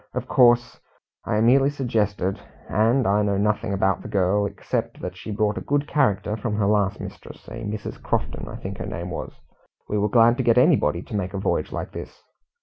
"Of course, I merely suggested and I know nothing about the girl, except that she brought a good character from her last mistress a Mrs. Crofton I think the name was. We were glad to get anybody to make a voyage like this."